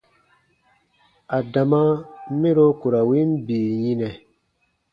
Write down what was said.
Adama mɛro ku ra win bii yinɛ.